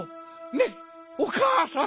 ねっおかあさん！